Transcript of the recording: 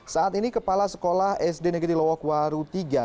saat ini kepala sekolah sd negeri lowok waru iii